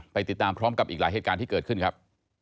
ติดตามพร้อมกับอีกหลายเหตุการณ์ที่เกิดขึ้นครับ